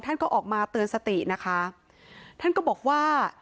ท่านก็ออกมาเตือนสตินะคะท่านก็บอกว่า